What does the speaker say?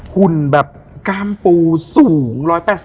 หุ่นแบบกล้ามปูสูง๑๘๐